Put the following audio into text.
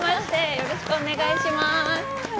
よろしくお願いします。